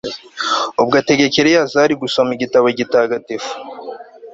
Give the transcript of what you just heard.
ubwo ategeka eleyazari gusoma igitabo gitagatifu